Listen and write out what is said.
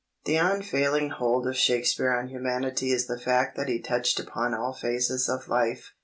The unfailing hold of Shakespeare on humanity is the fact that he touched upon all phases of life.